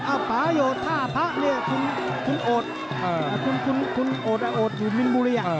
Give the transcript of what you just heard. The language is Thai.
อ้าวป่าโยธ่าพะคุณโอดคุณโอดโอดอยู่มินบุรี